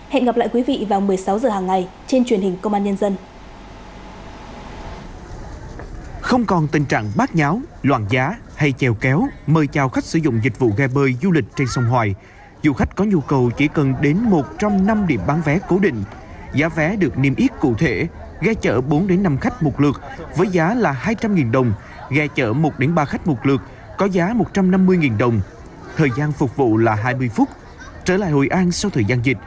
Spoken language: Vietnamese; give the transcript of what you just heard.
hẹn gặp lại quý vị vào một mươi sáu h hàng ngày trên truyền hình công an nhân dân